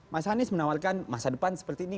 mas anies menawarkan masa depan seperti ini